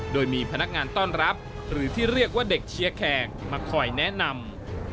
โดยมีพนักงานต้อนรับหรือที่เรียกว่าเด็กเชียร์แขกมาคอยแนะนำ